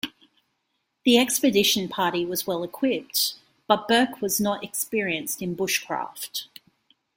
The expedition party was well equipped, but Burke was not experienced in bushcraft.